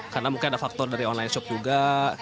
karena mungkin ada faktor dari online shop juga